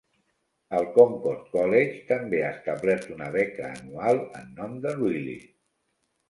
El Concord College també ha establert una beca anual en nom de Riley.